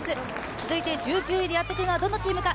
続いて１９位でやってくるのはどのチームか。